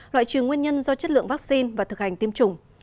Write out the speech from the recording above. loại trừ nguyên nhân do chất lượng vaccine và thực hành tiêm chủng